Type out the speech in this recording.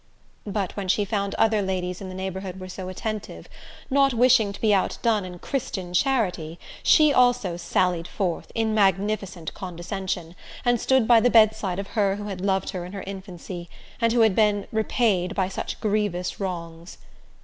But when she found other ladies in the neighborhood were so attentive, not wishing to be outdone in Christian charity, she also sallied forth, in magnificent condescension, and stood by the bedside of her who had loved her in her infancy, and who had been repaid by such grievous wrongs.